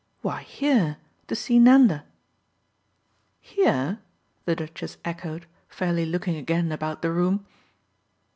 "Why here, to see Nanda." "Here?" the Duchess echoed, fairly looking again about the room.